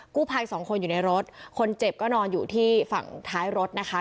ภัยสองคนอยู่ในรถคนเจ็บก็นอนอยู่ที่ฝั่งท้ายรถนะคะ